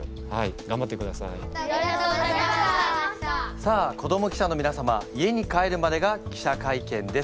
さあ子ども記者のみな様家に帰るまでが記者会見です。